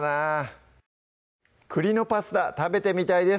栗のパスタ食べてみたいです